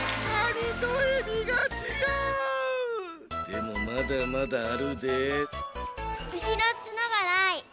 でもまだまだあるで。